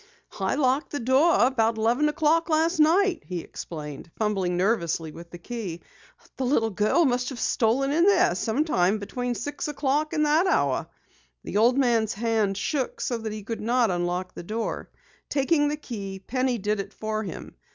"I locked the door about eleven o'clock last night," he explained, fumbling nervously with the key. "The little girl must have stolen in there sometime between six o'clock and that hour." The old man's hand shook so that he could not unlock the door. Taking the key, Penny did it for him.